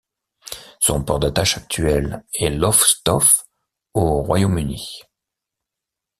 Son port d'attache actuel est Lowestoft au Royaume-Uni.